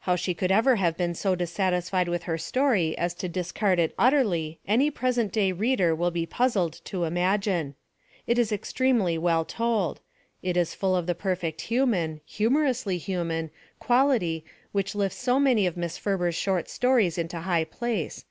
How she could ever have been so dissatisfied with her story as to dis card it utterly any present day reader will be puzzled to imagine. It is extremely well told. It is full of the perfect human humorously human quality which lifts so many of Miss Ferber's short stories into high place.